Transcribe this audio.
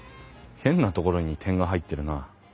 変なところに点が入ってるな。